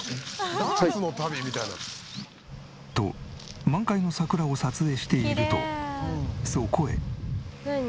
と満開の桜を撮影しているとそこへ。